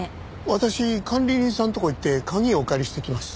私管理人さんのとこへ行って鍵お借りしてきます。